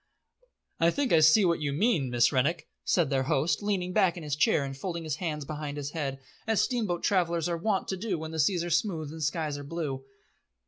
"I think I see what you mean, Miss Rennick," said their host, leaning back in his chair and folding his hands behind his head, as steamboat travellers are wont to do when seas are smooth and skies are blue.